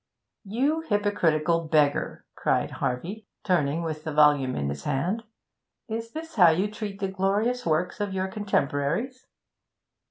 'You hypercritical beggar!' cried Harvey, turning with the volume in his hand. 'Is this how you treat the glorious works of your contemporaries?'